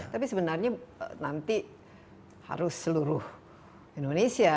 tapi sebenarnya nanti harus seluruh indonesia